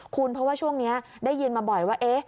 คุณเพราะว่าช่วงนี้ได้ยินมาบ่อยว่า